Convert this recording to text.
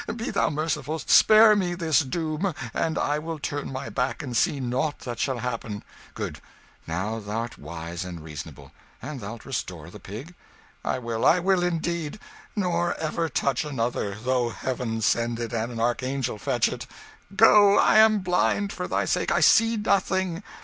Be thou merciful spare me this doom, and I will turn my back and see nought that shall happen." "Good! now thou'rt wise and reasonable. And thou'lt restore the pig?" "I will, I will indeed nor ever touch another, though heaven send it and an archangel fetch it. Go I am blind for thy sake I see nothing.